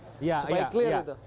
supaya clear itu